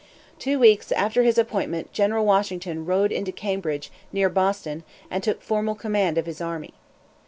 Two weeks after his appointment General Washington rode into Cambridge, near Boston, and took formal command of his army.